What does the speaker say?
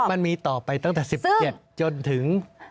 มันมีต่อไปตั้งแต่๑๗จนถึง